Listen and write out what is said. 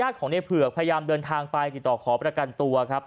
ของในเผือกพยายามเดินทางไปติดต่อขอประกันตัวครับ